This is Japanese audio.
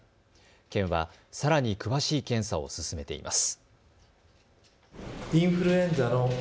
県は、さらに詳しい検査を進めています。